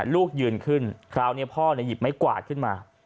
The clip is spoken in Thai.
ลูกยืนขึ้นคราวนี้พ่อหยิบไม้กวาดขึ้นมา